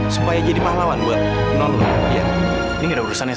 supaya jadi pahlawan gue